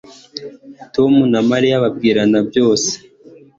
Tom na Mariya babwirana byose